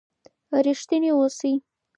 ریښتینی اوسئ.